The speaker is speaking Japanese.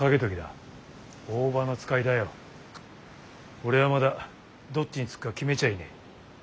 俺はまだどっちにつくか決めちゃいねえ。